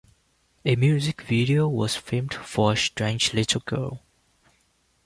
A music video was filmed for "Strange Little Girl".